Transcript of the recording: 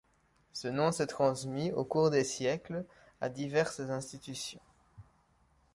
Ce nom s'est transmis, au cours des siècles, à diverses institutions.